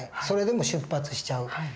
それでも出発しちゃう。